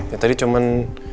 ya tadi cuman